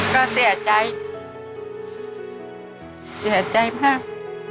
ก็เสียใจเสียใจมาก